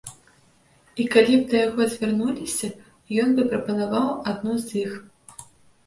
І калі б да яго звярнуліся, ён бы прапанаваў адну з іх.